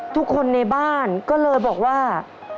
ทุกคนในบ้านก็เลยบอกว่า